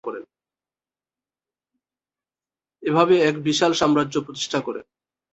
এভাবে এক বিশাল সাম্রাজ্য প্রতিষ্ঠা করেন।